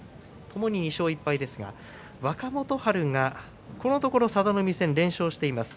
ともに２勝１敗ですが、若元春がこのところ佐田の海戦連勝しています。